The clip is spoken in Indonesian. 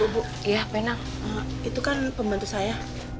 bu itu kan pembantu saya